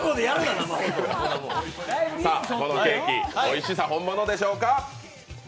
このケーキ、おいしさ本物でしょうか？